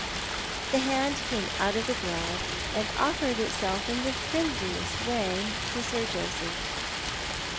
The hand came out of the glove, and offered itself in the friendliest w ay to Sir Joseph.